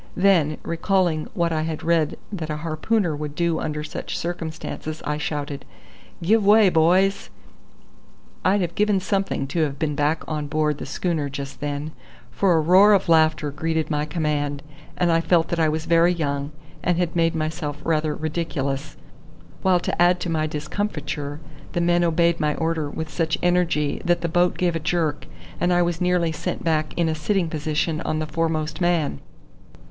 Then, recalling what I had read that a harpooner would do under such circumstances, I shouted: "Give way, boys!" I'd have given something to have been back on board the schooner just then, for a roar of laughter greeted my command, and I felt that I was very young, and had made myself rather ridiculous, while to add to my discomfiture the men obeyed my order with such energy that the boat gave a jerk, and I was nearly sent back in a sitting position on the foremost man.